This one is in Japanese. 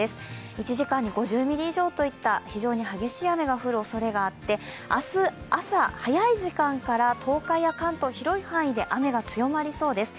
１時間に５０ミリ以上といった非常に激しい雨が降るおそれがあって、明日朝早い時間から東海や関東広い範囲で雨が強まりそうです。